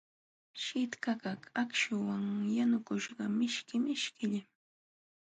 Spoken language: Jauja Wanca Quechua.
Shitqakaq akśhuwan yanukuśhqa mishki mishkillam.